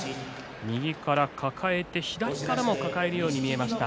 右から抱えて左からも抱えるように見えました。